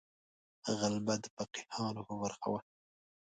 غلبه د فقیهانو په برخه وه.